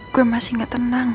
gue masih gak tenang